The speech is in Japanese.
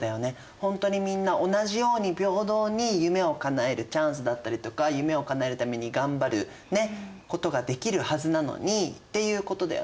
ほんとにみんな同じように平等に夢をかなえるチャンスだったりとか夢をかなえるために頑張ることができるはずなのにっていうことだよね。